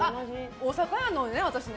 大阪やのねで、私ね。